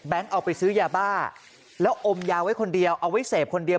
เอาไปซื้อยาบ้าแล้วอมยาไว้คนเดียวเอาไว้เสพคนเดียว